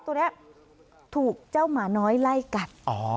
ตัวนี้ถูกเจ้าหมาน้อยไล่กัด